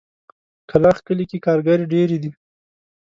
کلاخ کلي کې ګاګرې ډېرې دي.